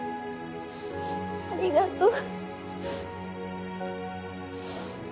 ありがとう。